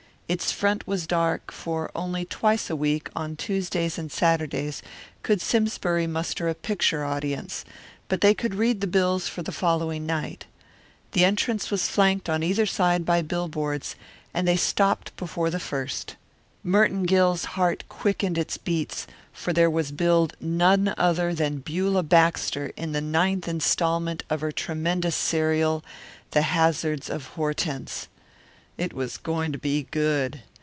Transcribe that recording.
Its front was dark, for only twice a week, on Tuesdays and Saturdays, could Simsbury muster a picture audience; but they could read the bills for the following night. The entrance was flanked on either side by billboards, and they stopped before the first. Merton Gill's heart quickened its beats, for there was billed none other than Beulah Baxter in the ninth installment of her tremendous serial, The Hazards of Hortense. It was going to be good!